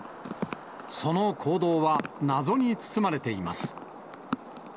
その行動は謎に包まれています。